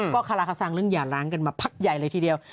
ก็คาราคาซังเรื่องหย่าล้างกันมาพักใหญ่เลยทีเดียว